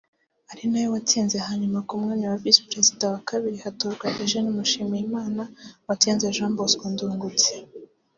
ari nawe watsinze hanyuma ku mwanya wa Visi Perezida wa Kabiri hatorwa Eugenie Mushimiyimana watsinze Jean Bosco Ndungutse